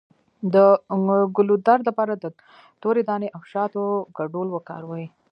د ګلو درد لپاره د تورې دانې او شاتو ګډول وکاروئ